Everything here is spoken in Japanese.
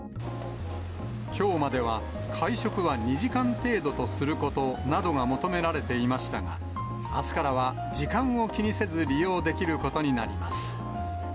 きょうまでは、会食は２時間程度とすることなどが求められていましたが、あすからは、時間を気にせず利用できることになります。